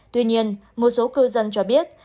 tuy nhiên một số cư dân cho biết